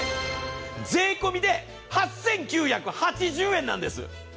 税込みで８９８０円なんです！